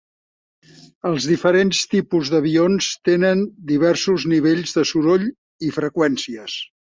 Els diferents tipus d'avions tenen diversos nivells de soroll i freqüències.